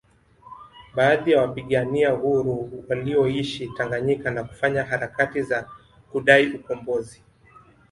Baadhi ya wapigania uhuru walioishi Tanganyika na kufanya harakati za kudai ukumbozi